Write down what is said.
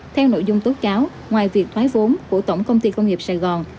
theo nội dung tố cáo ngoài việc thoái vốn của tổng công ty công nghiệp sài gòn